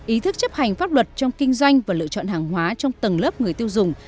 ý thức chấp hành pháp luật trong kinh doanh và lựa chọn hàng hóa trong tầng lớp người tiêu dùng